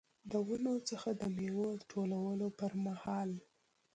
د ونو څخه د میوو ټولولو پرمهال.